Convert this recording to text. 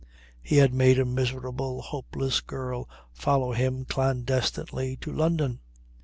He had made a miserable, hopeless girl follow him clandestinely to London.